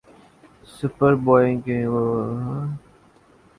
superbike championship مجموعی برتری پر برٹش رائیور کاقبضہ